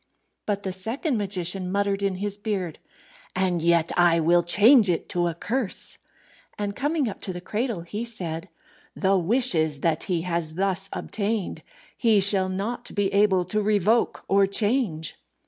But the second magician muttered in his beard, "And yet I will change it to a curse." And coming up to the cradle, he said, "The wishes that he has thus obtained he shall not be able to revoke or change."